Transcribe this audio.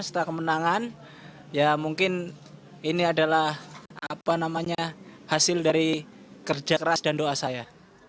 setelah kemenangan ya mungkin ini adalah hasil dari kerja keras dan doa saya